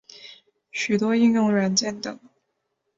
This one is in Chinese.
许多应用软件等。